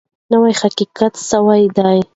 نوی تحقیق سوی دی.